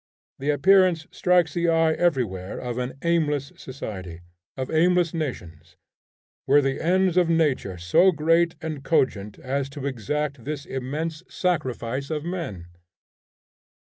The appearance strikes the eye everywhere of an aimless society, of aimless nations. Were the ends of nature so great and cogent as to exact this immense sacrifice of men?